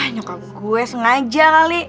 nyokap gue sengaja kali